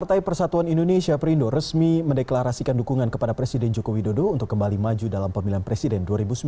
partai persatuan indonesia perindo resmi mendeklarasikan dukungan kepada presiden joko widodo untuk kembali maju dalam pemilihan presiden dua ribu sembilan belas